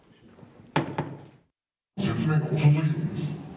説明が遅すぎるんですよ。